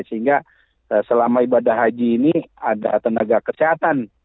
sehingga selama ibadah haji ini ada tenaga kesehatan